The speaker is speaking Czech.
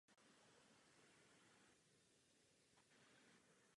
Pro své působivé verše byla ve středověku velmi oblíbená.